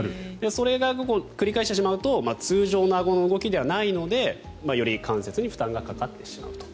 それが繰り返してしまうと通常のあごの動きではないのでより関節に負担がかかってしまうと。